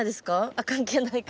あっ関係ないか。